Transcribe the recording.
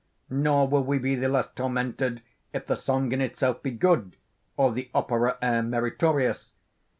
Nor will we be the less tormented if the song in itself be good, or the opera air meritorious.